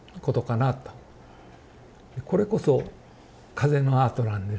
これこそ風のアートなんで。